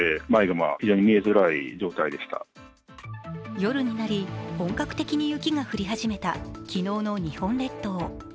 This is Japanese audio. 夜になり、本格的に雪が降り始めた昨日の日本列島。